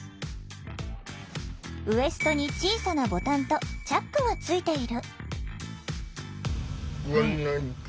ウエストに小さなボタンとチャックがついている。